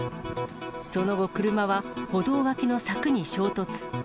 その後、車は歩道脇の柵に衝突。